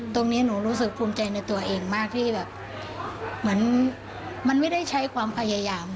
ตรงนี้หนูรู้สึกภูมิใจในตัวเองมากที่แบบเหมือนมันไม่ได้ใช้ความพยายาม